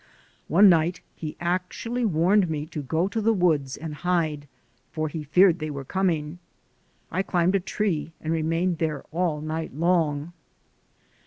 One night he actually warned me to go to the woods and hide, for he feared they were coming. I climbed a tree and remained there all night long.